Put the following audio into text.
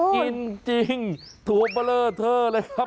กินจริงถั่วเบลอเท่าไรซับ